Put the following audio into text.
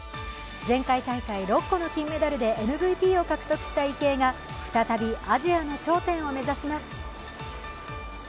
前回大会６個の金メダルでＭＶＰを獲得した池江が再びアジアの頂点を目指します。